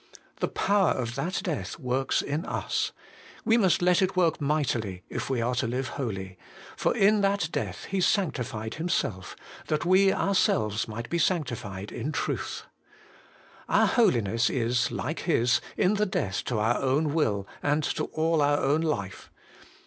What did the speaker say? The power of that death works in us : we must let it work mightily if we are to live holy ; for in that death He sanctified Himself, that we ourselves might be sanctified in truth. Our holiness is, like His, in the death to our own will, and to all our own life.